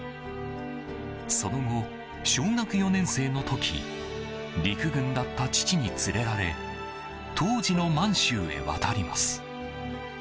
その後、小学４年生の時陸軍だった父に連れられ当時の満州へ渡ります。